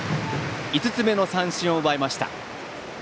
５つ目の三振を奪いました。